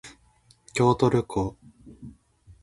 京都旅行